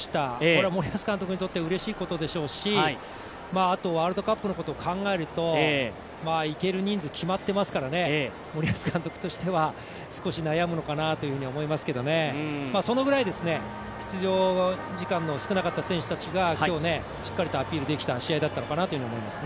これは森保監督にとってうれしいことでしょうし、あとワールドカップのことを考えると行ける人数は決まってますから森保監督としては少し悩むのかなと思いますけどそのぐらい出場時間の少なかった選手たちが今日、しっかりとアピールできた試合だったのかなと思います。